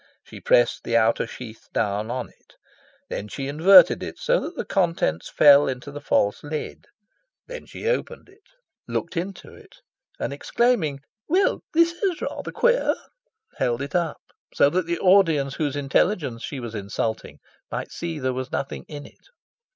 She pressed the outer sheath down on it. Then she inverted it so that the contents fell into the false lid; then she opened it, looked into it, and, exclaiming "Well, this is rather queer!" held it up so that the audience whose intelligence she was insulting might see there was nothing in it.